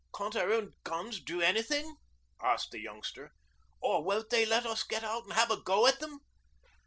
'Can't our own guns do anything?' asked the youngster; 'or won't they let us get out and have a go at them?'